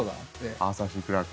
アーサー・Ｃ・クラーク。